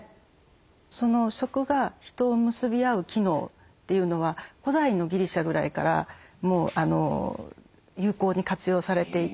食が人を結び合う機能というのは古代のギリシャぐらいからもう有効に活用されていて。